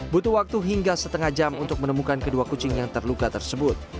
butuh waktu hingga setengah jam untuk menemukan kedua kucing yang terluka tersebut